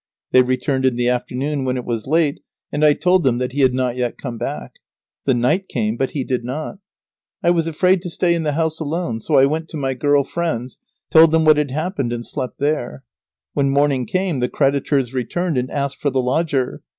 They returned in the afternoon when it was late, and I told them that he had not yet come back. The night came, but he did not. I was afraid to stay in the house alone, so I went to my girl friends, told them what had happened, and slept there. When morning came the creditors returned and asked for the lodger.